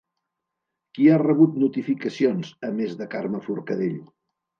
Qui ha rebut notificacions a més de Carme Forcadell?